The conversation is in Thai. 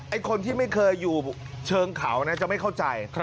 คนที่ไม่เคยอยู่เชิงเขานะจะไม่เข้าใจ